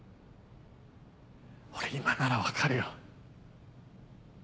俺今なら分かるよ。